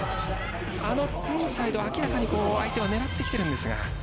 あのインサイド、明らかに相手、狙ってきているんですが。